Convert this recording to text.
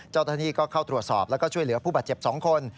เจ้าหน้าที่ก็เข้าตรวจสอบแล้วก็ช่วยเหลือผู้บาดเจ็บ๒คน